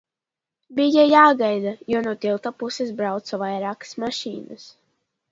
Bija jāgaida, jo no tilta puses brauca vairākas mašīnas.